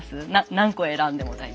何個選んでも大丈夫。